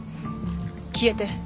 消えて。